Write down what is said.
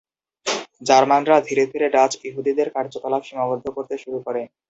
জার্মানরা ধীরে ধীরে ডাচ ইহুদিদের কার্যকলাপ সীমাবদ্ধ করতে শুরু করে।